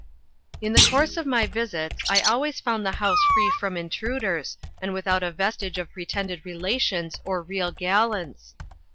In the course of my visits I always found the house free from intruders, and without a vestige of pretended relations or real gallants.